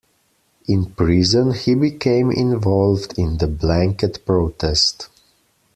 In prison he became involved in the blanket protest.